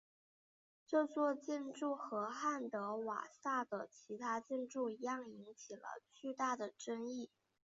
这座建筑和汉德瓦萨的其他建筑一样引起了巨大的争议。